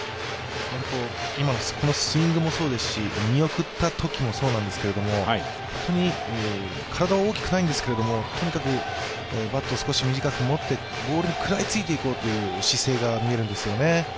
このスイングもそうですし、見送ったときもそうなんですけど体は大きくないんですけど、とにかくバットを短く持ってボールに食らいついていこうという姿勢が見えるんですよね。